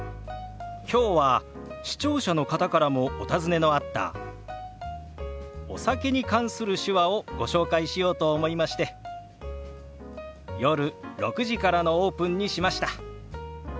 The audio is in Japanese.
きょうは視聴者の方からもお尋ねのあったお酒に関する手話をご紹介しようと思いまして夜６時からのオープンにしました。